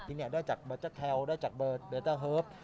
ที่เนี่ยได้จากเบอร์เจอร์เทลได้จากเบอร์เจอร์เฮิฟ